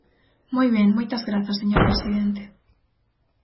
Moi ben, moitas grazas, señor presidente.